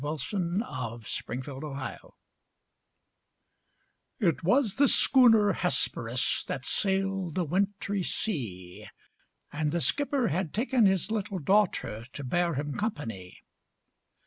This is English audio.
THE WRECK OF THE HESPERUS It was the schooner Hesperus, That sailed the wintry sea: And the skipper had taken his little daughter, To bear him company.